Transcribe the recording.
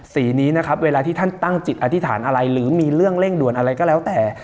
สีนี้นะครับเวลาที่ท่านตั้งจิตอธิษฐานอะไรหรือมีเรื่องเร่งด่วนอะไรก็แล้วแต่